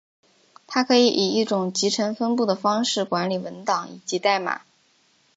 它可以以一种集成分布的方式管理文档以及代码。